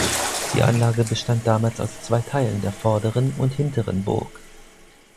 Die Anlage bestand damals aus zwei Teilen, der vorderen und hinteren Burg.